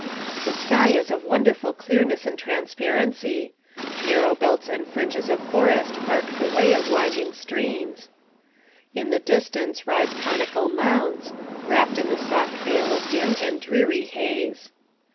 The sky is of wonderful clearness and transparency. Narrow belts and fringes of forest mark the way of winding streams. 1.6 NAKKATIVE OF CAPTIVITY In the distance rise conical mounds, wrapped in the soft veil of dim and dreamy haze.